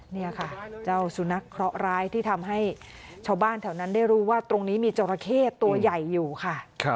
นี่ค่ะเจ้าสุนัขเคราะหร้ายที่ทำให้ชาวบ้านแถวนั้นได้รู้ว่าตรงนี้มีจราเข้ตัวใหญ่อยู่ค่ะ